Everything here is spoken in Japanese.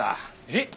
えっ？